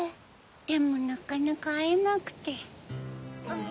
でもなかなかあえなくて。